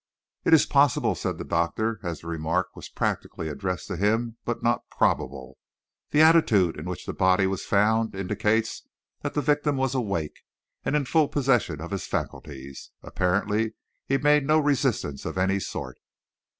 "It is possible," said the doctor, as the remark was practically addressed to him, "but not probable. The attitude in which the body was found indicates that the victim was awake, and in full possession of his faculties. Apparently he made no resistance of any sort."